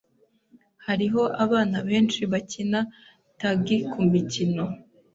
Hariho abana benshi bakina tagi kumikino.